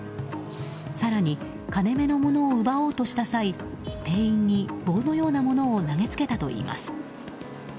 更に、金目の物を奪おうとした際店員に棒のようなものを投げつけたといいます。